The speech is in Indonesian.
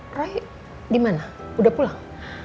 hai roy dimana udah pulang